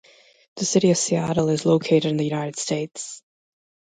The city of Seattle is located in the United States.